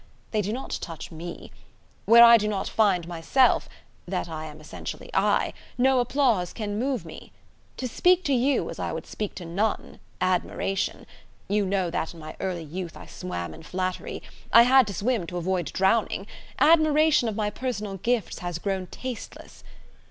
They do not touch me. Where I do not find myself that I am essentially I no applause can move me. To speak to you as I would speak to none, admiration you know that in my early youth I swam in flattery I had to swim to avoid drowning! admiration of my personal gifts has grown tasteless.